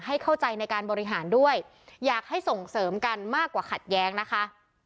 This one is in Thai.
เข้าใจในการบริหารด้วยอยากให้ส่งเสริมกันมากกว่าขัดแย้งนะคะ